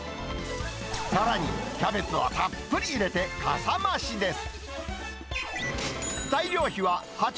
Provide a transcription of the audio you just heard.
さらにキャベツをたっぷり入れてかさ増しです。